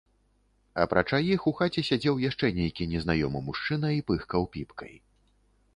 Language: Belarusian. Апрача іх у хаце сядзеў яшчэ нейкі незнаёмы мужчына і пыхкаў піпкай.